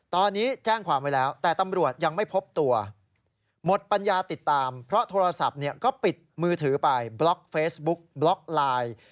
ตอนนี้แจ้งความไว้แล้วแต่ตำรวจยังไม่พบตัวหมดปัญญาติดตามเพราะโทรศัพท์เนี่ยก็ปิดมือถือไปบล็อกเฟซบุ๊กบล็อกไลน์